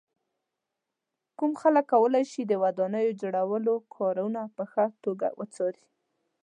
کوم خلک کولای شي د ودانۍ جوړولو کارونه په ښه توګه وڅاري.